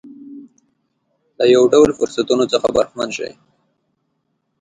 له یو ډول فرصتونو څخه برخمن شي.